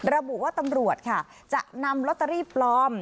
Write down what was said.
ระบุว่าตำรวจค่ะจะนำลอตเตอรี่ปลอม